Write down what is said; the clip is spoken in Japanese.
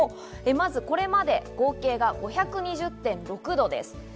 まずこれまで合計が５２０．６度です。